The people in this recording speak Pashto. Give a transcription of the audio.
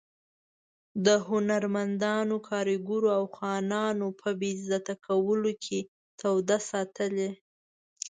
د هنرمندانو، کارګرو او خانانو په بې عزته کولو کې توده ساتلې.